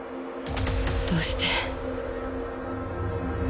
どうして？